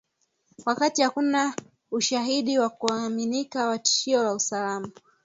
Wakati hakuna ushahidi wa kuaminika wa tishio la usalama.